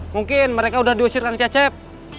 mungkin mereka udah diusir kang cecep